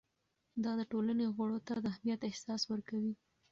دا د ټولنې غړو ته د اهمیت احساس ورکوي.